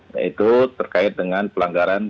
yaitu terkait dengan pelanggaran